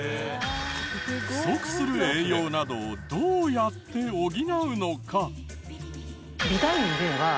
不足する栄養などをどうやって補うのか？